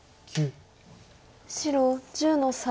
白１０の三。